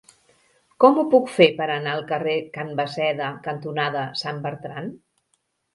Com ho puc fer per anar al carrer Can Basseda cantonada Sant Bertran?